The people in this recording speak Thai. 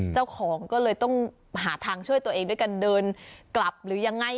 เจ้าของก็เลยต้องหาทางช่วยตัวเองด้วยกันเดินกลับหรือยังไง